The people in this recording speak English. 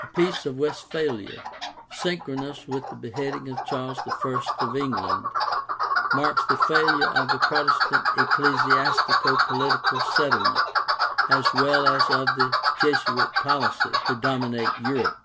The Peace of Westphalia, syn chronous with the beheading of Charles I of England, marks the failure of the Protestant ecclesiastico political settlement as well as of the Jesuit policy to dominate Europe.